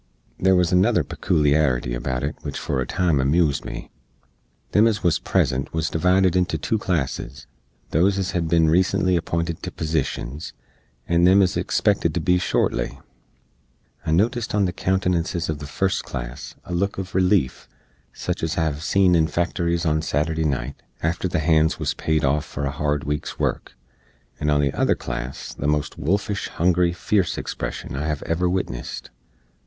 There wuz another pekooliarity about it which for a time amoozed me. Them ez wuz present wuz divided into 2 classes those ez hed bin recently appinted to posishens, and them ez expected to be shortly. I notist on the countenances uv the first class a look uv releef, sich ez I hev seen in factories Saturday nite, after the hands wuz paid off for a hard week's work; and on the other class the most wolfish, hungry, fierce expression I hev ever witnessed.